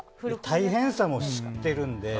大変さも知ってるんで。